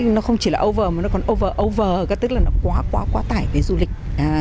nó không chỉ là over mà nó còn over over tức là nó quá quá quá quá tải về du lịch